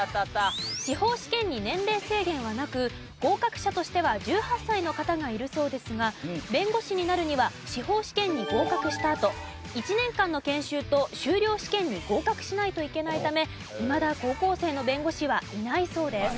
司法試験に年齢制限はなく合格者としては１８歳の方がいるそうですが弁護士になるには司法試験に合格したあと１年間の研修と修了試験に合格しないといけないためいまだ高校生の弁護士はいないそうです。